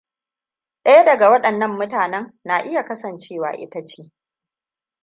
Daya daga waɗannan mutanen na iya kasancewa ita ce.